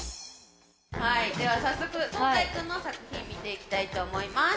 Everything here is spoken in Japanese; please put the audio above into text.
はいでは早速壮大くんの作品見ていきたいと思います。